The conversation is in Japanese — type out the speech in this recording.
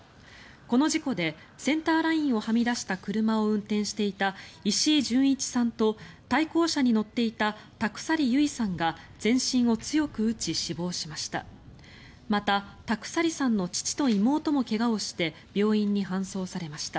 この事故でセンターラインをはみ出した車を運転していた石井純一さんと対向車に乗っていた田鎖結さんが全身を強く打ち、死亡しました。